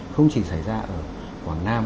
không chỉ xảy ra ở quảng nam